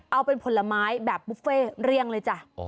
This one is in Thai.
เอาเป็นผลไม้แบบบุฟเฟ่เรียงเลยจ้ะ